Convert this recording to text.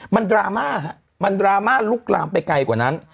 มันดราม่าฮะมันดราม่าลุกลามไปไกลกว่านั้น